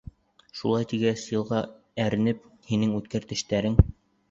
Шулай тигәс йылға, әрнеп, Һинең үткер тештәрең.